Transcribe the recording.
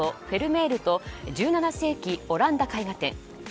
「フェルメールと１７世紀オランダ絵画展」。